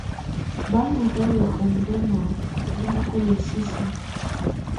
Ba ndù ɔlɔ ɛmbɔma yi nikulǝ sisiǝ̀.